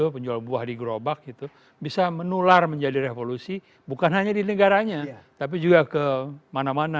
penjual buah di gerobak bisa menular menjadi revolusi bukan hanya di negaranya tapi juga kemana mana